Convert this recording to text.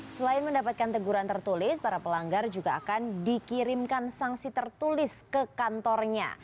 selain mendapatkan teguran tertulis para pelanggar juga akan dikirimkan sanksi tertulis ke kantornya